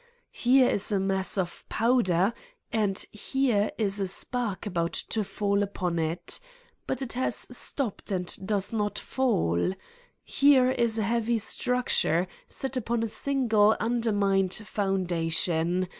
Here is a mass of powder and here a spark about to fall upon it. But it has stopped and does not fall. Here is a heavy structure, set upon a single, undermined foundation.